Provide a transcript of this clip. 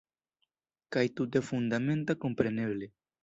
Kaj tute fundamenta, kompreneble.